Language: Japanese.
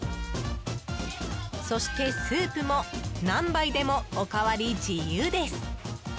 そしてスープも何杯でもおかわり自由です。